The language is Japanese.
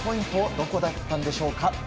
どこだったんでしょうか。